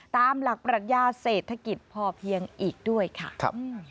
ตามหลักปรัชญาเศรษฐกิจพอเพียงอีกด้วยค่ะ